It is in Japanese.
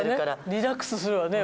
リラックスするわね